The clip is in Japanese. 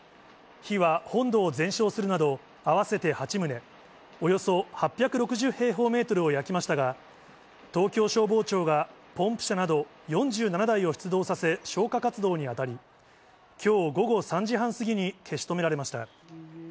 火は本堂を全焼するなど、合わせて８棟、およそ８６０平方メートルを焼きましたが、東京消防庁がポンプ車など４７台を出動させ、消火活動に当たり、きょう午後３時半過ぎに消し止められました。